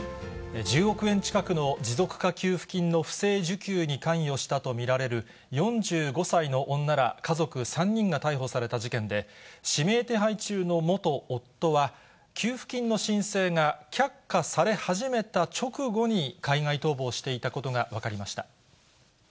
１０億円近くの持続化給付金の不正受給に関与したと見られる、４５歳の女ら家族３人が逮捕された事件で、指名手配中の元夫は、給付金の申請が却下され始めた直後に海外逃亡していたことが分かりました。